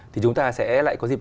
thì chúng ta sẽ lại có dịp